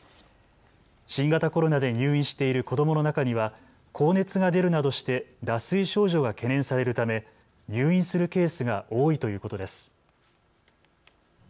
新型コロナで入院している子どもの中には高熱が出るなどして脱水症状が懸念されるため入院するケースが多いということです。